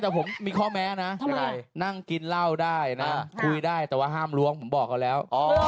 แต่ผมมีข้อแม้นะนั่งกินเหล้าได้นะคุยได้แต่ว่าห้ามล้วงผมบอกเขาแล้ว